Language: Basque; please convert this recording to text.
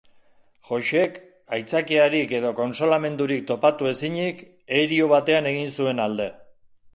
Joxek, aitzakiarik edo kontsolamendurik topatu ezinik, herio batean egin zuen alde.